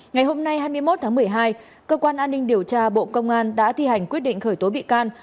ngày hôm nay hai mươi một tháng một mươi hai cơ quan an ninh điều tra bộ công an đã thi hành quyết định khởi tố bị can